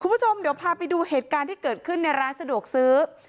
คุณผู้ชมเดี๋ยวพาไปดูเหตุการณ์ที่เกิดขึ้นในร้านสะดวกซื้อ